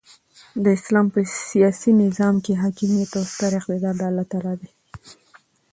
د اسلام په سیاسي نظام کښي حاکمیت او ستر اقتدار د االله تعالى دي.